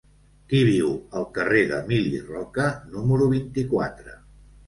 Qui viu al carrer d'Emili Roca número vint-i-quatre?